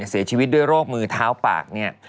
เสียชีวิตด้วยโรคมือเท้าปากเนี่ย